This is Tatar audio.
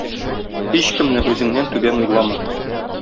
Һичкемне үзеңнән түбән уйлама.